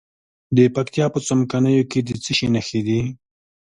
د پکتیا په څمکنیو کې د څه شي نښې دي؟